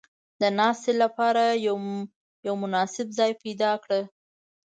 • د ناستې لپاره یو مناسب ځای پیدا کړه.